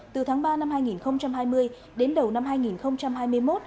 từ tháng ba năm hai nghìn hai mươi đến đầu năm hai nghìn hai mươi một